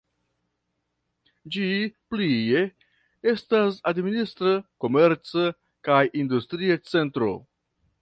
Ĝi plie estas administra, komerca kaj industria centro.